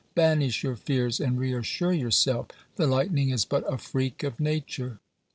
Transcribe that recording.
Banish your fears and reassure yourself; the lightning is but a freak of nature."